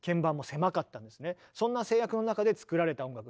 そんな制約の中で作られた音楽